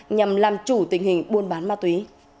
nhằm làm chủ tình hình buôn bán ma túy